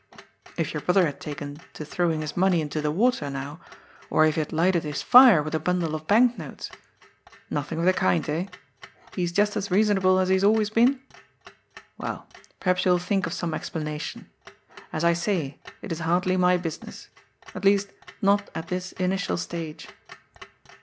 If your brother had taken to throw ing his money into the water, now, or if he had lighted his fire with a bundle of bank notes. Nothing of the kind, eh ? He is just as reasonable as he has always been? Well, perhaps you will think of some explanation. As I say, it is hardly my business. At least, not at this initial stage.